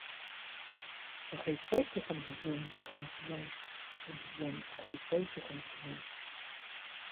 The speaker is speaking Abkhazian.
Аха ицоит, ихынҳәӡом, ихынҳәӡом, ихынҳәӡом, аха ицоит, ихынҳәӡом.